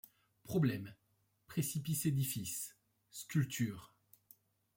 Problème ; précipice édifice ; sculpture